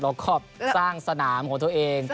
แล้วก็สร้างสนามของตัวเอง